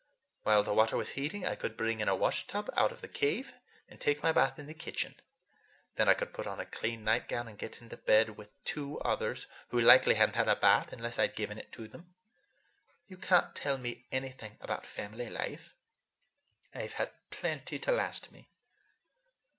While the water was heating, I could bring in a washtub out of the cave, and take my bath in the kitchen. Then I could put on a clean nightgown and get into bed with two others, who likely had n't had a bath unless I'd given it to them. You can't tell me anything about family life. I've had plenty to last me."